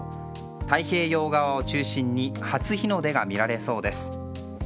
太平洋側を中心に初日の出が見られそうです。